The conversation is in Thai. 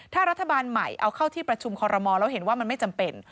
ถ้ารัฐบาลใหม่เอาเข้าที่ประชุมคอรมอลแล้วเห็นว่ามันไม่จำเป็น